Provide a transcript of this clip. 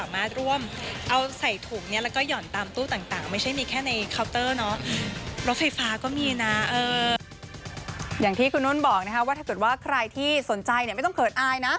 พี่คุณนู้นบอกว่าถ้าเกิดว่าใครที่สนใจไม่ต้องเขินอายนะ